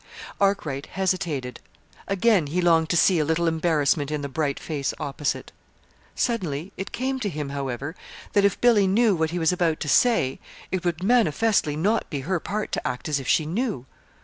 Arkwright hesitated. Again he longed to see a little embarrassment in the bright face opposite. Suddenly it came to him, however, that if Billy knew what he was about to say, it would manifestly not be her part to act as if she knew!